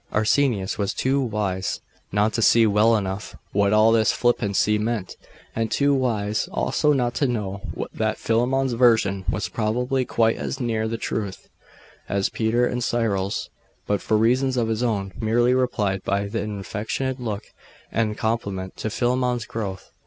Arsenius was too wise not to see well enough what all this flippancy meant; and too wise, also, not to know that Philammon's version was probably quite as near the truth as Peter's and Cyril's; but for reasons of his own, merely replied by an affectionate look, and a compliment to Philammon's growth.